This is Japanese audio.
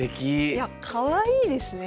いやかわいいですね。